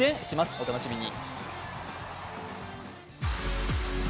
お楽しみに。